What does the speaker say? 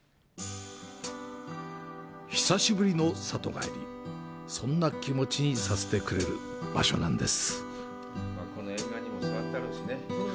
久しぶりの里帰り、そんな気持ちにさせてくれる場所です。